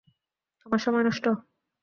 আমার সময় নষ্ট?